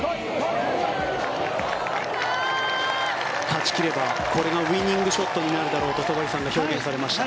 勝ち切ればこれがウィニングショットになるであろうと戸張さんが表現されました。